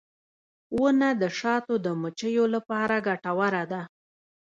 • ونه د شاتو د مچیو لپاره ګټوره ده.